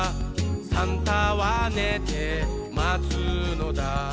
「サンタはねてまつのだ」